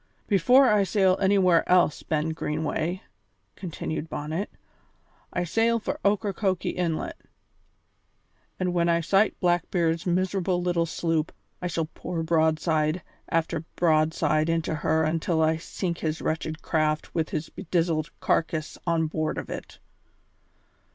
Before I sail anywhere else, Ben Greenway," continued Bonnet, "I sail for Ocracoke Inlet, and when I sight Blackbeard's miserable little sloop I shall pour broadside after broadside into her until I sink his wretched craft with his bedizened carcass on board of it."